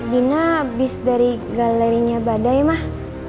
dina abis dari galerinya badai mah